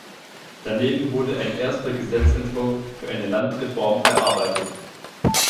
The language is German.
Daneben wurde ein erster Gesetzentwurf für eine Landreform erarbeitet.